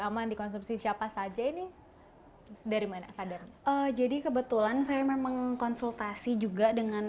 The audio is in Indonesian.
aman dikonsumsi siapa saja ini dari mana kader jadi kebetulan saya memang konsultasi juga dengan